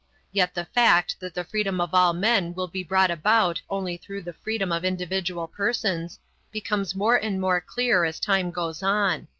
Yet the fact that the freedom of all men will be brought about only through the freedom of individual persons, becomes more and more clear as time goes on.